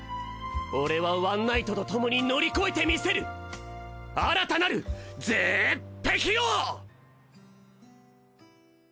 俺はワンナイトとともに乗り越えてみせる新たなるゼーッペキを！